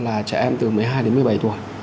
là trẻ em từ một mươi hai đến một mươi bảy tuổi